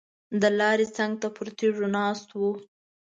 د لارې څنګ ته پر تیږو ناست وو.